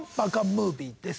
ムービーです。